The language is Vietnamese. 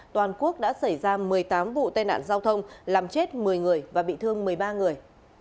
toàn quốc đã xảy ra một mươi tám vụ tai nạn giao thông làm chết một mươi người và bị thương một mươi ba người